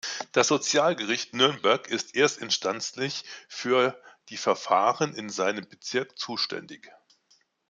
Das Sozialgericht Nürnberg ist erstinstanzlich für die Verfahren in seinem Bezirk zuständig.